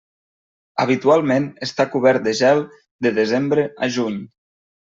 Habitualment està cobert de gel de desembre a juny.